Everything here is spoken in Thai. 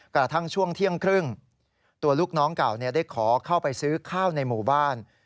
กระทั่งช่วงเที่ยงครึ่งตัวลูกน้องเก่าได้ขอเข้าไปซื้อข้าวในหมู่บ้าน